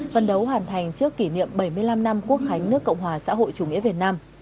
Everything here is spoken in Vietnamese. phân đấu hoàn thành trước kỷ niệm bảy mươi năm năm quốc khánh nước cộng hòa xã hội chủ nghĩa việt nam